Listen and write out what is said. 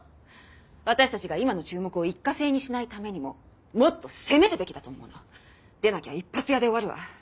私たちが今の注目を一過性にしないためにももっと攻めるべきだと思うの！でなきゃ一発屋で終わるわ。